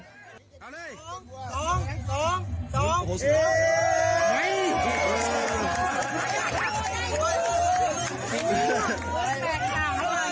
สองสองสองเฮ้ย